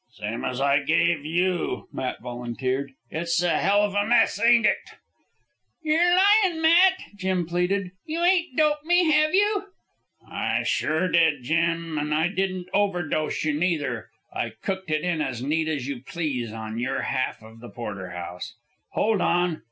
"Same as I gave you," Matt volunteered. "It's a hell of a mess, ain't it?" "You're lyin', Matt," Jim pleaded. "You ain't doped me, have you?" "I sure did, Jim; an' I didn't overdose you, neither. I cooked it in as neat as you please in your half the porterhouse. Hold on!